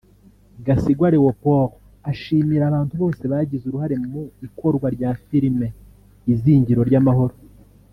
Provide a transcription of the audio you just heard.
Gasigwa Leopord ashimira abantu bose bagize uruhare mu ikorwa rya Filime Izingiro ry’amahoro